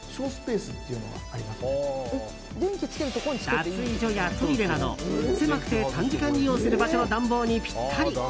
脱衣所やトイレなど狭くて短時間利用する場所の暖房にピッタリ。